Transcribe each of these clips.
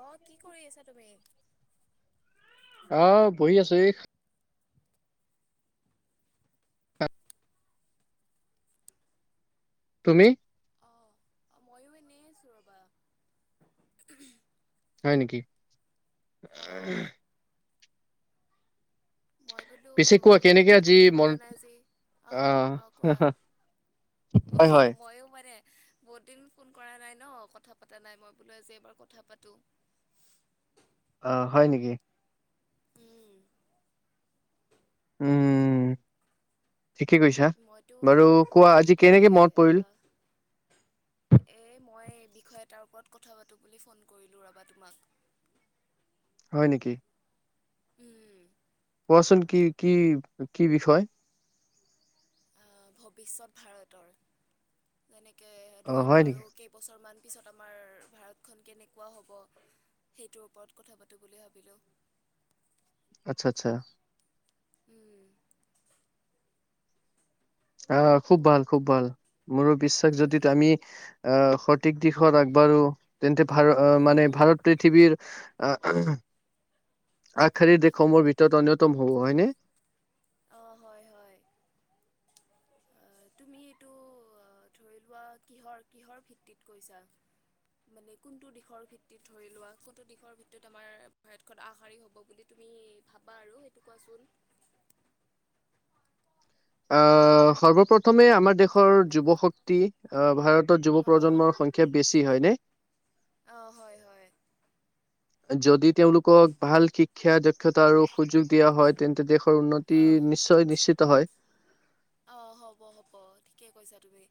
অঁ, কি কৰি আছা তুমি? অঁ বহি আছো এ। তুমি? অঁ। অঁ, মইয়ো এনেই আছো ৰবা। হয় নেকি? অ মই বোলো পিছে কোৱা বহুত কেনেকে দিন আজি কথা মন পতা নাই যে। অঁ আহ -অঁ কোৱা? হয় হয় মইও মানে- বহুত দিন ফোন কৰা নাই ন কথা পাতা নাই, মই বোলো আজি এবাৰ কথা পাতোঁ। অঁ, হয় নেকি? উম। উম, ঠিকে কৈছা। মইতো বাৰু কোৱা হেৰি আজি বুলি কেনেকে মনত পৰিল? এই মই বিষয় এটাৰ ওপৰত কথা পাতোঁ বুলি ফোন কৰিলোঁ ৰবা তোমাক। হয় নেকি? উম। কোৱাচোন কি -কি -কি বিষয়? আহ ভৱিষ্যত ভাৰতৰ, যেনেকে অ ধৰি হয় লোৱা নেকি আৰু- কেইবছৰমান পিছত আমাৰ ভাৰতখন কেনেকুৱা হ'ব? সেইটোৰ ওপৰত কথা পাতোঁ বুলি ভাবিলোঁ। আচ্ছা, আচ্ছা। উম। আহ খুব ভাল, খুব ভাল। মোৰো বিশ্বাস যদি উম আমি- আহ সঠিক দিশত আগবাঢ়ো তেন্তে ভাৰ আ উম মানে ভাৰত পৃথিৱীৰ আ আহা, আগশাৰীৰ দেশসমূহৰ ভিতৰত অন্যতম হ'ব হয়নে? অ হয় হয়। আ তুমি এইটো আ ধৰি লোৱা কিহৰ কিহৰ ভিত্তিত কৈছা? মানে কোনটো দিশৰ ভিত্তিত ধৰি লোৱা কোনটো দিশৰ ভিত্তিত আমাৰ ভাৰতখন আগশাৰী হ'ব বুলি তুমি ভাবা আৰু সেইটো কোৱাচোন? আহ সৰ্বপ্ৰথমে আমাৰ দেশৰ যুৱ শক্তি অ ভাৰতত যুৱ অঁ প্ৰজন্মৰ সংখ্যা বেছি হয়নে? অ হয় হয়। যদি তেওঁলোকক ভাল শিক্ষা, দক্ষতা আৰু সুযোগ দিয়া হয় তেন্তে দেশৰ উন্নতি অঁ নিশ্চয় নিশ্চিত হয়। অ হ'ব হ'ব ঠিকে কৈছা তুমি।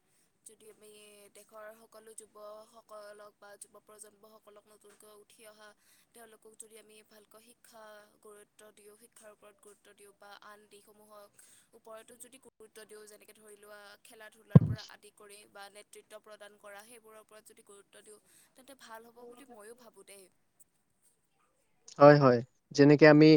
যদি আমি দেশৰ সকলো যুৱসকলক বা যুৱ প্ৰজন্মসকলক নতুনকৈ উ ঠি অহা তেওঁলোকক যদি আমি ভালকৈ শিক্ষা গুৰুত্ব দিওঁ, শিক্ষাৰ ওপৰত গুৰুত্ব দিওঁ বা আন দিশসমূহক ওপৰতো যদি গুৰুত্ব দিওঁ যেনেকে ধৰি লোৱা খেলা ধূলাৰ পৰা আদি কৰি বা নেতৃত্ব প্ৰদান কৰা সেইবোৰক ওপৰত যদি গুৰুত্ব দিওঁ তেন্তে ভাল হ'ব বুলি ময়ো ভাবোঁ দেই। হয় হয় যেনেকে আমি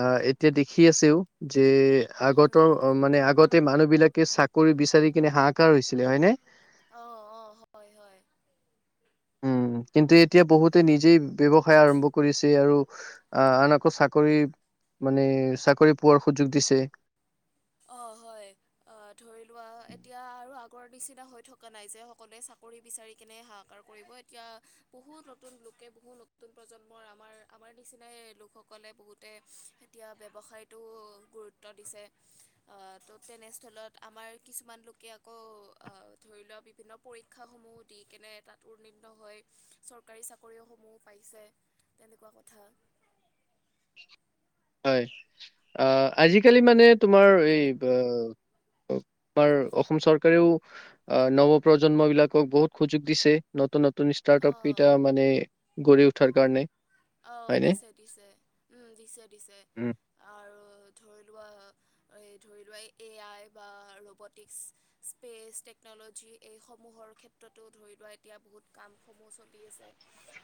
আহ এতিয়া দেখি আছেও যে এ উম, আগতৰ অ মানে আগতে মানুহবিলাকে চাকৰি বিচাৰি কিনে হাহাকাৰ হৈছিলে হয় নে? অ অ হয় হয়। উম কিন্তু এতিয়া বহুতে উম। নিজেই ব্যৱসায় আৰম্ভ কৰিছে আৰু আ আন আকৌ চা কৰি মানে চাকৰি পোৱাৰ সুযোগ দিছে। অঁ হয়। অ ধৰি লোৱা এতিয়া আৰু আগৰ নিচিনা হৈ থকা নাই যে সকলোৱে চাকৰি বিচাৰি কেনে হাহাকাৰ কৰিব এতিয়া বহুত নতুন লোকে বহুত নতুন প্ৰজন্মৰ আমাৰ আমাৰ নিচিনাই লোকসকলে বহুত তে এতিয়া ব্যৱসায়টো গুৰুত্ব দিছে। আহ ত' তেনেস্থলত আমাৰ কিছুমান লোকে আকৌ আহ ধৰি লোৱা বিভিন্ন পৰীক্ষাসমূহ দি কেনে তাত উন্নীৰ্ণ হয় চৰকাৰী চাকৰিসমূহ পাইছে। তেনেকুৱা কথা। হয় আহ আজিকালি মানে তোমাৰ এই বা অ, আমাৰ অসম চৰকাৰেও আ নৱপ্ৰজন্মবিলাকক বহুত সুযোগ দিছে। নতুন নতুন অঁ ষ্টাৰ্টআপকেইটা মানে গঢ়ি উঠাৰ কাৰণে অঁ হয়নে? দিছে দিছে উম দিছে দিছে উম। আৰু ধৰি লোৱা এই ধৰি লোৱা এই এ আই বা ৰবটিক্স স্পেচ টেকন'লজি এইসমূহৰ ক্ষেত্ৰতো ধৰি লোৱা এতিয়া বহুত কামসমূহ চলি আছে।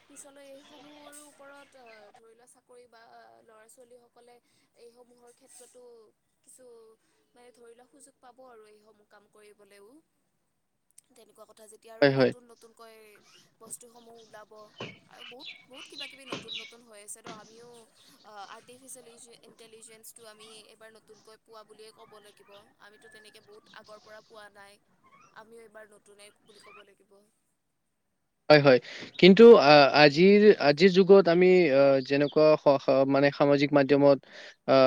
পিছলৈ এইসমূহৰ ওপৰত আহ ধৰি লোৱা চাকৰি বা ল'ৰা ছোৱালীসকলে এইসমূহৰ ক্ষেত্ৰতো কিছু মানে ধৰি লোৱা সুযোগ পাব আৰু এইসমূহ কাম কৰিবলৈও তেনেকুৱা কথা যেত তিয়া আৰু হয়, হয়, নতুন নতুনকৈ বস্তুসমূহ ওলাব। আৰু বহুত বহুত কিবা কিবি নতুন নতুন হৈ আছে তো আমিও অ আৰ্টিফিচিয়েল ইউজুৱেল ই ইণ্টেলিজেঞ্চটো আমি এইবাৰ নতুনকৈ পোৱা বুলিয়েই ক'ব লাগিব, আমিতো তেনেকৈ বহুত আগৰ পৰা পোৱা নাই। আমিও এইবাৰ নতুনে বুলি ক'ব লাগিব। হয় হয়। কিন্তু আহ আজিৰ আজিৰ যুগত আমি আহ যেনেকুৱা স স মানে সামাজিক মাধ্যমত আ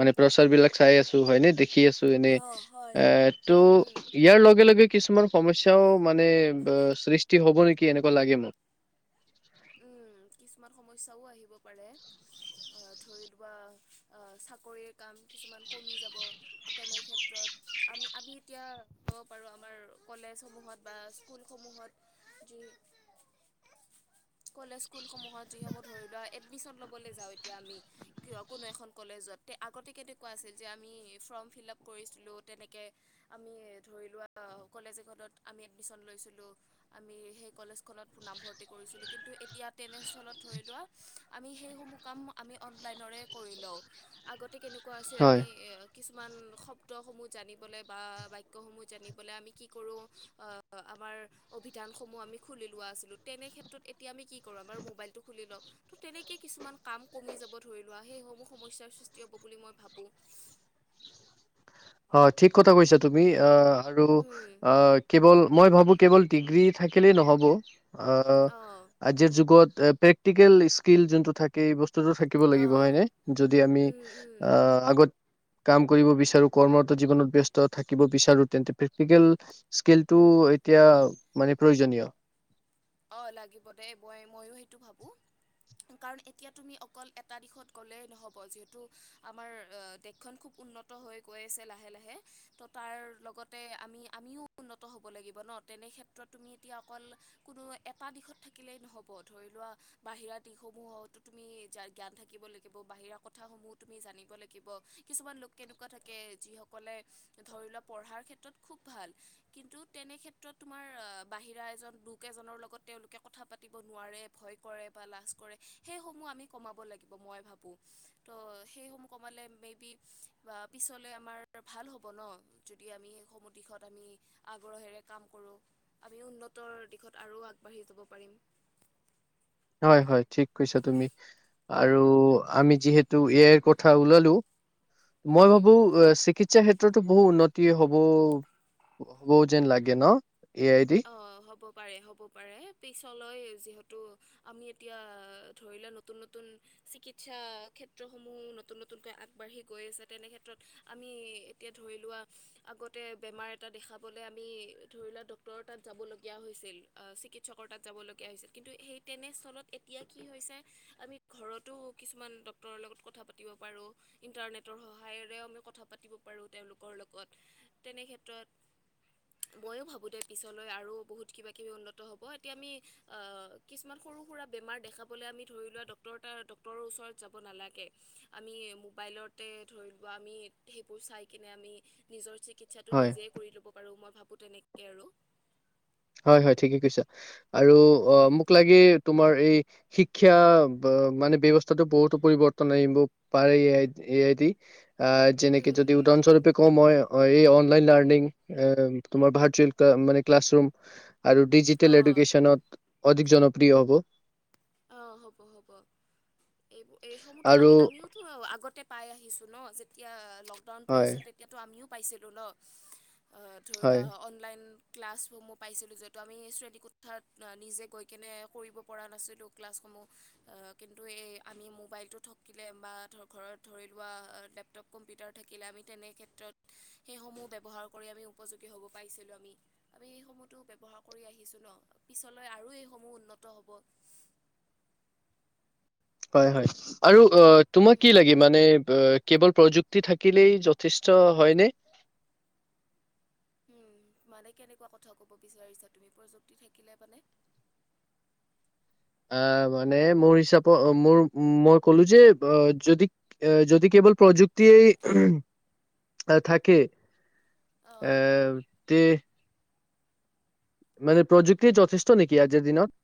মানে প্ৰচাৰবিলাক চাই আছো হয় নে দে খি আছোঁ এনেই, অঁ হয় এ তো উম উম ইয়াৰ লগে লগে কিছুমান সমস্যাও মানে ব' সৃষ্টি হ'ব নেকি, এনেকুৱা লাগে মোৰ। উম কিছুমান সমস্যাও আহিব পাৰে। আ ধৰি লোৱা আ চাকৰিৰ কাম কিছুমান কমি যাব। তেনে ক্ষেত্ৰত আমি আমি এতিয়া ক'ব পাৰোঁ আমাৰ কলেজ সমূহত বা স্কুল সমূহত যি কলেজ, স্কুল সমূহত যি সমূহ ধৰি লোৱা এডমিচন ল'বলে যাওঁ এতিয়া আমি কিয় কোনো এখন কলেজত তে আগতে কেনেকুৱা আছিল যে আমি ফ্ৰম ফিলাপ কৰিছিলোঁ তেনেকে আমি ধৰি লোৱা কলেজ এখনত আমি এডমিচন লৈছিলোঁ। আমি সেই কলেজখনত নামভৰ্তি কৰিছিলোঁ। কিন্তু এতিয়া তেনে স্থলত ধৰি লোৱা আমি সেইসমূহ কাম আমি অনলাইনৰে কৰি লওঁ। আগতে কেনেকুৱা আছিল হয়। আমি এ কিছুমান শব্দসমূহ জানিবলে বা বাক্যসমূহ জানিবলে আমি কি কৰোঁ আহ আমাৰ অভিধান সমূহ আমি খুলি লোৱা আছিলোঁ। তেনে ক্ষেত্ৰত এ তিয়া আমি কি কৰোঁ আমাৰ মোবাইলটো খুলি লওঁ। তো তেনেকেই কিছুমান কাম কমি যাব ধৰি লোৱা সেইসমূহ সমস্যাৰ সৃষ্টি হ'ব বুলি মই ভাবোঁ। হয়, ঠিক কথা কৈছা তুমি অ আৰু উম, অ কেৱল মই ভাবোঁ কেৱল ডিগ্ৰী থা কিলেই নহ'ব। অ অঁ আজিৰ যুগত এ প্ৰেক্টিকেল স্কিল যোনটো থা কে এই বস্তুতো থাকিব লাগিব, অঁ হয়নে? যদি আমি উম, উম, অ আগত কাম কৰিব বিচাৰোঁ। কৰ্মৰত জীৱনত ব্যস্ত থাকিব বিচাৰোঁ তেন্তে প্ৰেক্টিকেল স্কিলটো এতিয়া মানে প্ৰয়োজনীয়। অ লাগিব দে এ মই ময়ো সেইটো ভাবোঁ। উম কাৰণ এতিয়া তুমি অকল এটা দিশত গ'লেই নহ'ব। যিহেতু আমাৰ অ দেশখন খুব উন্নত ত হৈ গৈ আছে লাহে লাহে, ত' তাৰ লগতে আমি আমিও উন্নত হ'ব লাগিব ন'? তেনে ক্ষেত ত্ৰত তুমি এতিয়া অকল কোনো এটা দিশত থাকিলেই নহ'ব। ধৰি লোৱা বাহিৰা দিশসমূহটো তুমি জা জ্ঞান থাকিব লাগিব। বাহিৰা কথাসমূহো তুমি জানিব লাগিব। কিছুমান লোক কেনেকুৱা থাকে যি সক কলে ধৰি লোৱা পঢ়াৰ ক্ষেত্ৰত খুব ভাল। কিন্তু তেনেক্ষেত্ৰত তোমাৰ অ বাহিৰা এজন বু কেজনৰ লগত তেওঁলোকে কথা পাতিব নোৱাৰে, ভয় কৰে বা লাজ কৰে। সেইসমূহ আমি কমাব লাগিব মই ভা ত' সেই সমূহ কমালে মেবি বা পিছলে আমাৰ ভাল হ'ব ন'? যদি আমি সেইসমূহ দিশত আমি আগ্ৰহেৰে কাম কৰোঁ। আমি উন্নতৰ দিশত আৰু আগবাঢ়ি যাব পাৰিম। হয় হয় ঠিক কৈছা তুমি। আৰু আমি যিহেতু এ আইৰ কথা ওলালো মই পাৰিম ভাবোঁ এ চিকিৎসা ক্ষেত্ৰতো বহু উন্নতি হ ব হ'ব যেন লাগে ন'? এ আই দি। অ হ'ব পাৰে, হ'ব পাৰে। পিছলৈ যিহেতু আমি এতিয়া ধৰি লোৱা নতুন নতুন চিকিৎসা ক্ষেত্ৰসমূহো নতুন নতুনকৈ আগবাঢ়ি গৈ আছে। তেনে ক্ষেত্ৰত আমি এতিয়া ধৰি লোৱা আগতে বেমাৰ এটা দেখাবলে আমি ধৰি লোৱা ডক তৰ তাত যাব লগীয়া হৈছিল। আ চিকিৎসকৰ তাত যাব লগীয়া হৈছিল। কিন্তু সেই তেনে স্থলত এত এতিয়া কি হৈছে আমি ঘৰতো কিছুমান ডক্তৰৰ লগত কথা পাতিব পাৰোঁ। ইণ্টাৰনেটৰ সহায়েৰেও আমি কথা পাতিব পাৰোঁ তেওঁলোকৰ লগত, তেনে ক্ষেত্ৰত ময়ো ভাবোঁ দে পিছলৈ আৰু বহুত কিবা কিবি উন্নত হ'ব। এতিয়া আমি অ কিছুমান সৰু সুৰা বেমাৰ দেখা বলে আমি ধৰি লোৱা ডক্তৰ তাত ডক্তৰৰ ওচৰত যাব নালাগে। আমি মোবাইলতে ধৰি লোৱা আমি সেইবোৰ চাই কিনে আমি নিজৰ চিকিৎসাটো হয় নিজে কৰি ল'ব পাৰো, মই ভাবো তেনেকে আৰু। হয়, হয়, ঠিকেই কৈছা আৰু অ', উম, মোক লাগে তোমাৰ এই শিক্ষা মানে ব্যৱস্থাটো বহুতো পৰিৱৰ্তন আনিব পাৰে এ আই এ আই দি। আহ, যেনেকে উম, যদি উদাহৰণস্বৰূপে কওঁ মই এই অনলাইন লাৰ্ণিং, এ তোমাৰ ভাৰ্চুৱেল মানে ক্লাছ ৰুম আৰু ডিজিটেল অঁ এডুকেশ্যনত অধিক জনপ্ৰিয় হ'ব। অ', হ'ব হ'ব, এইবোৰ এইসমূহতো আৰু আমি আমিও টো আগতে পাই আহিছো ন'? যেতিয়া লকডাউন হয় পৰিছে তেতিয়াতো আমিও পাইছিলোঁ ন'? ধৰি লোৱা হয় অনলাইন ক্লাছসমূহ পাইছিলোঁ যিহেতু আমি শ্ৰেণীকোঠাত নিজে গৈ কিনে কৰিব পৰা নাছিলোঁ ক্লাছসমূহ। কিন্তু এই আমি মোবাইলটো থকিলে বা ধৰ ঘৰত ধৰি লোৱা লেপটপ কম্পিউটাৰ থাকিলে আমি তেনে ক্ষেত্ৰত সেইসমূহ ব্যৱহাৰ কৰি আমি উপযোগী হ'ব পাৰিছিলো আমি। আমি এইসমূহতো ব্যৱহাৰ কৰি আহিছো ন'? পিছলৈ আৰু এইসমূহ উন্নত হ'ব। হয়, হয় আৰু অ', তোমাক কি লাগে মানে কেবল প্ৰযুক্তি থাকিলেই যথেষ্ট হয়নে? উম, মানে কেনেকুৱা কথা ক'ব বিচাৰিছা তুমি, প্ৰযুক্তি থাকিলে মানে? আহ, মানে মোৰ হিচাপত মোৰ মই ক'লো যে অ', যদি যদি কেৱল প্ৰযুক্তিয়েই থাকে। এ অ', তে মানে প্ৰযুক্তিয়েই যথেষ্ট নেকি আজিৰ দিনত?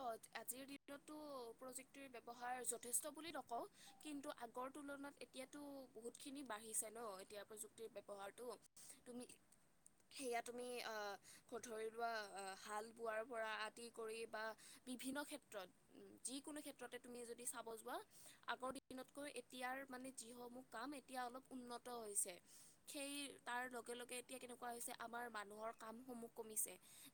অ', আজিৰ দিনতটো প্ৰযুক্তটিৰ ব্যৱহাৰ যথেষ্ট বুলি নকওঁ। কিন্তু আগৰ তুলনাত এতিয়াতো বহুতখিনি বাঢ়িছে ন' এতিয়া প্ৰযুক্তিৰ ব্যৱহাৰটো। তুমি সেয়া তুমি আহ, ধৰি লোৱা হাল বোৱাৰ পৰা আদি কৰি বা বিভিন্ন ক্ষেত্ৰত। উম, যিকোনো ক্ষেত্ৰতে তুমি যদি চাব যোৱা, আগৰ দিনতকৈ এতিয়াৰ মানে যি সমূহ কাম এতিয়া অলপ উন্নত হৈছে। সেই তাৰ লগে লগে এতিয়া কেনেকুৱা হৈছে আমাৰ মানুহৰ কামসমূহ কমিছে।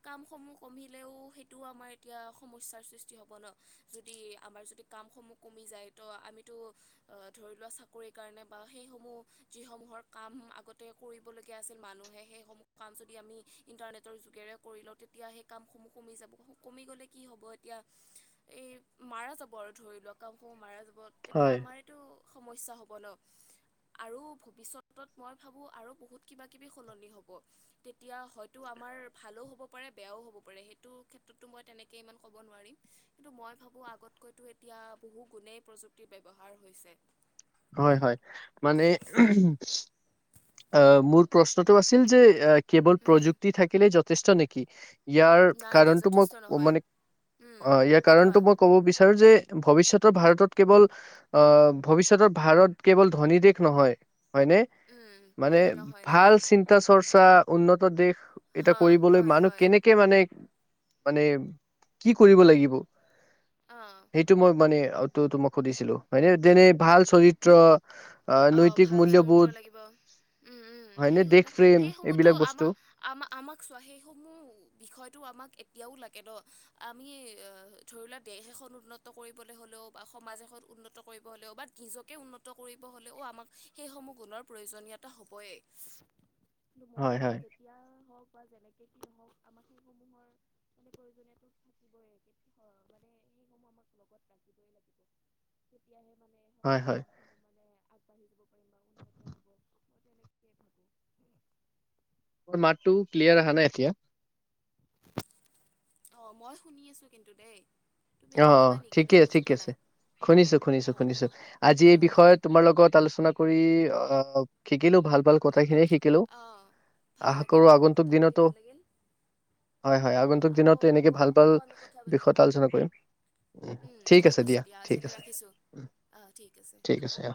কামসমূহ কমিলেও সেইটোও আমাৰ এতিয়া সমস্যাৰ সৃষ্টি হ'ব ন' যদি আমাৰ যদি কামসমূহ কমি যায় তো আমিতো অ', ধৰি লোৱা চাকৰিৰ কাৰণে বা সেইসমূহ যিসমূহৰ কাম আগতে কৰিবলগীয়া আছিল মানুহে, সেইসমূহ কাম যদি আমি ইণ্টাৰনেটৰ যোগেৰে কৰি লওঁ তেতিয়া সেই কামসমূহ কমি যাব। কমি গ'লে কি হ'ব এতিয়া এই মাৰা যাব আৰু ধৰি লোৱা কামসমূহ মাৰা যাব। তেতিয়া হয় আমাৰেতো সমস্যা হ'ব ন'? আৰু ভৱিষ্যতত মই ভাবো আৰু বহুত কিবা কিবি সলনি হ'ব। তেতিয়া হয়তো আমাৰ ভালো হ'ব পাৰে বেয়াও হ'ব পাৰে সেইটো ক্ষেত্ৰ তটো মই তেনেকৈ ইমান ক'ব নোৱাৰিম কিন্তু, মই ভাবোঁ আগতকৈতো এতিয়া বহু গুণেই প্ৰযুক্ত ক্তি ব্যৱহাৰ হৈছে। হয়, হয়, মানে আহ, মোৰ প্ৰশ্নটো আছিল যে কেৱল প্ৰযুক্তি থাকিলে যথেষ্ট নেকি? ইয়াৰ নাই নাই কাৰণটো যথেষ্ট মই নহয় মানে উম অ', ইয়াৰ কোৱা কাৰণটো মই ক'ব বিচাৰো যে ভৱিষ্যতৰ ভাৰতত কেৱল আহ, ভৱিষ্যতৰ ভাৰত কেৱল ধনী দেশ নহয় হয়নে? উম। মানে উম নহয় ভাল নহয় চিন্তা চৰ্চা উন্নত দেশ এটা হয় কৰিবলৈ হয় মানুহ হয় কেনেকে [unintelligible] মানে, মানে কি কৰিব লাগিব? অ। সেইটো মই মানে [unintelligible] মই সুধিছিলো হয়নে যেনে চৰিত্ৰ। আহ অ নৈতিক ভাল চৰিত্ৰ মূল্যবোধ লাগিব উম, উম হয়নে দেশ সেইসমূহ প্ৰেম সেই সমূহতো এইবিলাক বস্তু আমাৰ আম -আমাক চোৱা সেইসমূহ বিষয়টো আমাক এতিয়াও লাগে ন আমি আ ধৰি লোৱা দেশ এখন উন্নত কৰিবলৈ হ'লেও বা সমাজ এখন উন্নত কৰিব হ'লেও বা নিজকে উন্নত কৰি হ'লেও আমাক সেইসমূহ গুণৰ প্ৰয়োজনীয়তা হ'বই মই হয় ভাবো হয় [unintelligible] এতিয়া হওক বা যেনেকে কি হওক আমাৰ সেই সমূহৰ মানে প্ৰয়োজনীয়তো থাকিবই কিন্ত মানে সেইসমূহ আমাক লগত ৰাখিবই লাগিব। তেতিয়াহে মানে হয় সকলো হয় কাম [unintelligible] আগবাঢ়ি যাব পাৰিম। বা উন্নত হ'ব মই তেনেকেই ভাবোঁ মোৰ মাতটো ক্লিয়াৰ অহা নাই এতিয়া। অ মই শুনি আছো কিন্তু দেই। তুমি অ শুনা অ নাই নেকি নে ঠিকে বুজি ঠিকে পোৱা আছে। নাই খোনিছো খোনিছো অ অ খোনিছো আজি অ এই অ বিষয়ত তোমাৰ লগত আলোচনা কৰি অ শিকিলো ভাল ভাল - কথা খিনিয়ে শিকিলো অ ভাল আশা লাগিল কৰো মোৰো আগন্তুক কথা পাতি দিনতো ভাল লাগিল হয়, হয় অ আগন্তুক আকৌ দিনত এনেকে আকৌ ভাল ভাল আকৌ আমি কথা পাতিম বিষয়ত কৰিম। ঠিক আছে দিয়া ঠিক আছে ঠিক আছে অঁ।